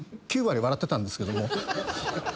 ９割笑ってたんですけども。